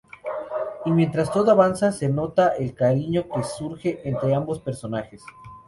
Y mientras todo avanza, se nota el cariño que surge entre ambos personajes.